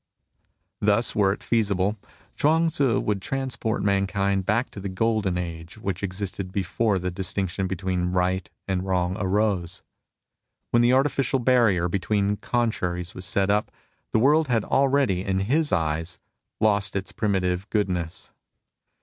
Thus, were it feasible, Chuang Tzu would transport mankind back into the golden age which existed before the distinction between right and wrong arose. When the artificial barrier between contraries was set up, the world had already, in his eyes, lost its primitive good ness.